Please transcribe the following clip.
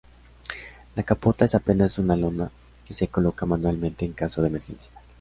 La capota es apenas una lona que se coloca manualmente en caso de emergencia.